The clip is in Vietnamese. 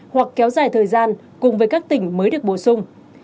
hoặc kéo dài thời gian cùng với các tỉnh mới được bổ sung